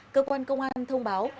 cơ quan công an thông báo